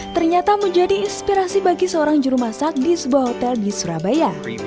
ternyata menjadi inspirasi bagi seorang juru masak di sebuah hotel di surabaya